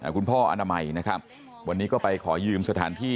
คุณพ่ออนามัยนะครับวันนี้ก็ไปขอยืมสถานที่